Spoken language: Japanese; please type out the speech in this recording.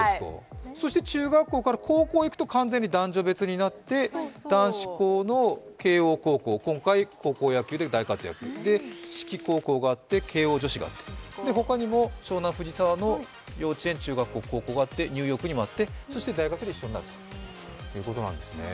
中学校から高校に行くと完全に男女別になって男子校の慶応高校、今回高校野球で大活躍、志木高校があって、慶応女子があって、他にも湘南藤沢の幼稚園、中等部、そしてニューヨークにもあってそして大学に進学ということなんですね。